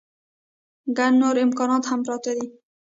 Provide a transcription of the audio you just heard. ګڼ نور امکانات هم پراته دي.